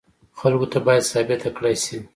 خلکو ته باید ثابته کړای شي.